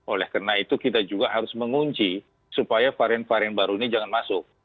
oleh karena itu kita juga harus mengunci supaya varian varian baru ini jangan masuk